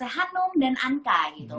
hanum dan anka gitu